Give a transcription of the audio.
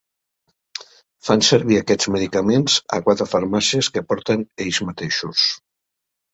Fan servir aquests medicaments a quatre farmàcies que porten ells mateixos.